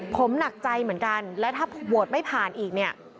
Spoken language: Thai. ผมหนักใจเหมือนกันและถ้าโหวตไม่ผ่านอีกเนี่ย